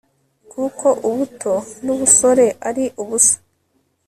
kuko ubuto n'ubusore ari ubusa